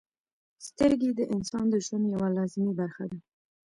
• سترګې د انسان د ژوند یوه لازمي برخه ده.